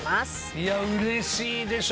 いやうれしいでしょこれは。